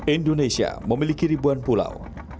indonesia memiliki ribuan pulau